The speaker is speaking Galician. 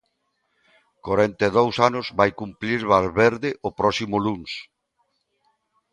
Corenta e dous anos vai cumprir Valverde o próximo luns.